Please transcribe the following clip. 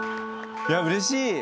いやうれしい！